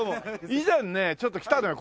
以前ねちょっと来たのよ